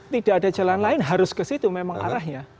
tidak ada jalan lain harus ke situ memang arahnya